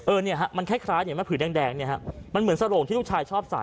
เอ้อมันแค่คล้ายเหมือนผืนแดงมันเหมือนสโรงที่ลูกชายชอบใส่